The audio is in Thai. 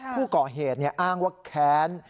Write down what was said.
ผู้เกาะเหตุเนี่ยอ้างว่าแค้น